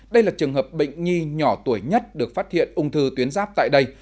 đây là trường hợp bệnh nhi nhỏ tuổi nhất được phát hiện ung thư tuyến giáp tại đây